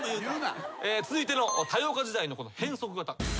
続いての多様化時代の変則型。